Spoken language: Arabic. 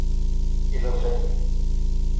إلى الغد.